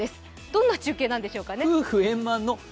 どんな中継なんでしょうかね。